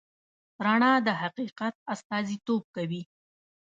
رڼا د حقیقت استازیتوب کوي.